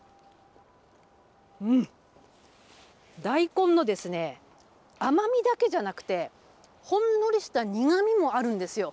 大根の甘みだけじゃなくて、ほんのりした苦みもあるんですよ。